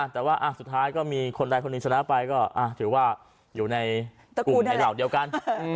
แต่ว่าสุดท้ายก็มีคนใดคนหนึ่งชนะไปก็ถือว่าอยู่ในกลุ่มในเหล่าเดียวกัน